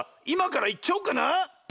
いまからいっちゃおうかな！